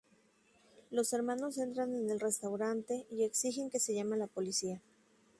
Los hermanos entran en el restaurante y exigen que se llame a la policía.